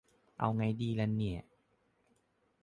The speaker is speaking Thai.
เอาไงดีละเนี่ย